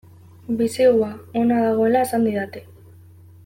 Bisigua ona dagoela esan didate.